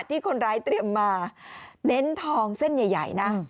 ที่คนร้ายเตรียมมาเน้นทองเส้นใหญ่นะ